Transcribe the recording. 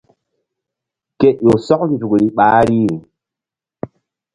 Ke ƴo sɔk nzukri ɓahri.